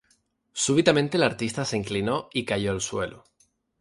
Súbitamente el artista se inclinó y cayó al suelo.